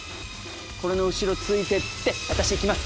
これの後ろついてって私いきます